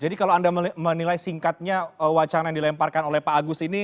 jadi kalau anda menilai singkatnya wacana yang dilemparkan oleh pak agus ini